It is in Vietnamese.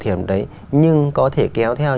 thời điểm đấy nhưng có thể kéo theo